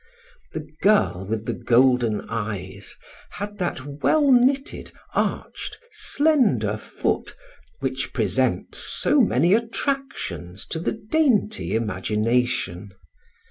The girl with the golden eyes had that well knitted, arched, slender foot which presents so many attractions to the dainty imagination.